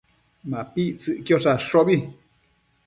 MapictsËquid tsadshobi